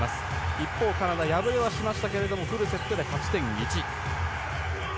一方、カナダ敗れはしましたけれどもフルセットで勝ち点１。